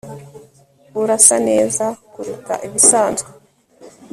Urasa neza kuruta ibisanzwe